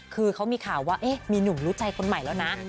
คือเขามีข่าวว่ามีหนุ่มรู้ใจคนใหม่แล้วนะ